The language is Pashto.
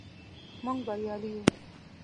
موږ بریالي یو.